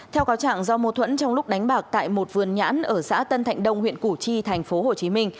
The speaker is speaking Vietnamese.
theo cáo trạng do mâu thuẫn trong lúc đánh bạc tại một vườn nhãn ở xã tân thạnh đông huyện củ chi tp hcm